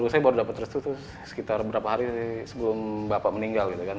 baru usaha baru dapat restu tuh sekitar beberapa hari sebelum bapak meninggal gitu kan